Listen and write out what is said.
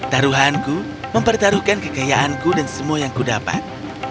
taruhanku mempertaruhkan kekayaanku dan semua yang ku dapat